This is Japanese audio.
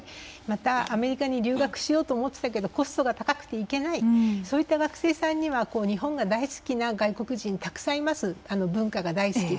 またアメリカに留学しようと思ってたけどコストが高くて行けないそういった学生さんには日本が大好きな外国人たくさんいます文化が大好き。